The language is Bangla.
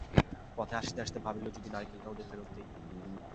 পথে আসিতে আসিতে ভাবিল-যদি নারকেলটা ওদের ফেরত দিই।